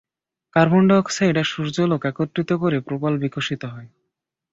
Carbon dioxide আর সূর্যালোক একত্রিত করে প্রবাল বিকশিত হয়।